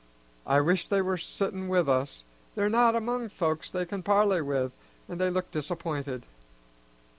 I wish they were sittin' with us; they're not among folks they can parley with, an' they look disappointed."